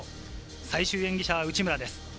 最終演技者は内村です。